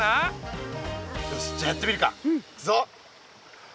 よしじゃやってみるかいくぞ！